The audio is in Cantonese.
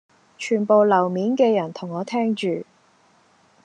全部樓面嘅人同我聽住